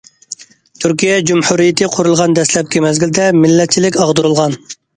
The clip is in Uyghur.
تۈركىيە جۇمھۇرىيىتى قۇرۇلغان دەسلەپكى مەزگىلدە مىللەتچىلىك ئاغدۇرۇلغان.